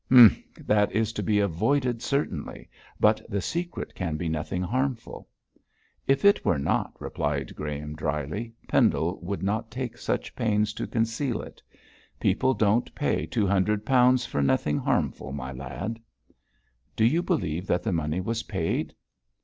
'Humph! that is to be avoided certainly. But the secret can be nothing harmful.' 'If it were not,' replied Graham, drily, 'Pendle would not take such pains to conceal it. People don't pay two hundred pounds for nothing harmful, my lad.' 'Do you believe that the money was paid?'